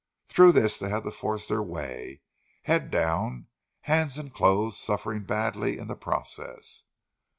Through this they had to force their way, head down, hands and clothes suffering badly in the process.